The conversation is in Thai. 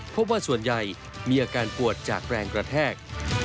พบว่าส่วนใหญ่มีอาการปวดจากแรงกระแทก